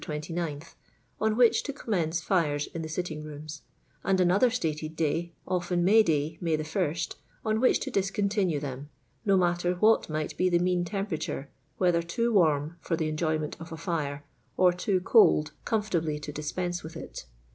29) on which to commence fires is the sitting rooms, and another stated day (oftsi May day, May 1) on which to discontinue them, no matter what might be th^t mean temperatars, whether too warm for the enjoyment of a tire, sr too cold comfortably to dispense with it.